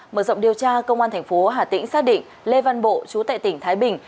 mở rộng điều tra công an tp hà tĩnh xác định lê văn bộ chú tại tỉnh thái bình